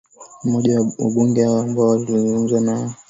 mmoja wa wabunge hao ambao tulizungumza nao